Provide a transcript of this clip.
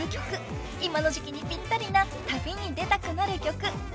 ［今の時季にぴったりな「旅に出たくなる曲」］